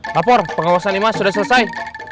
lapor pengawasan lima sudah selesai